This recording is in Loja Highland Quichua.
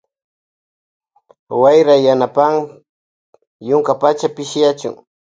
Wayra yanapan yunkapacha pishiyachun.